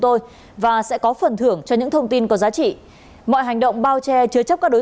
tôi và sẽ có phần thưởng cho những thông tin có giá trị mọi hành động bao che chứa chấp các đối